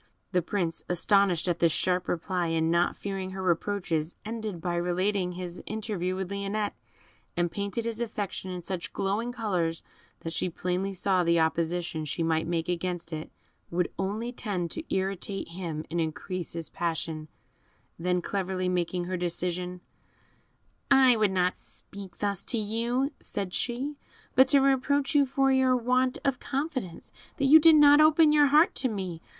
The Prince, astonished at this sharp reply, and not fearing her reproaches, ended by relating his interview with Lionette, and painted his affection in such glowing colours that she plainly saw the opposition she might make against it would only tend to irritate him and increase his passion; then cleverly making her decision, "I would not speak thus to you," said she, "but to reproach you for your want of confidence, that you did not open your heart to me.